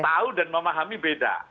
tahu dan memahami beda